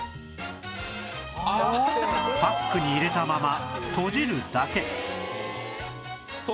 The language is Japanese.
パックに入れたまま閉じるだけ